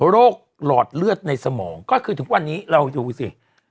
หลอดเลือดในสมองก็คือทุกวันนี้เราดูสิ